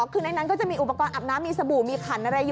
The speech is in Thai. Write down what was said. คือในนั้นก็จะมีอุปกรณ์อาบน้ำมีสบู่มีขันอะไรอยู่